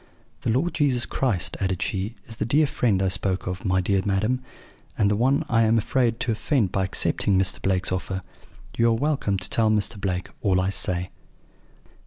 "'The Lord Jesus Christ,' added she, 'is the dear Friend I spoke of, my dear madam, and the One I am afraid to offend by accepting Mr. Blake's offer. You are welcome to tell Mr. Blake all I say.'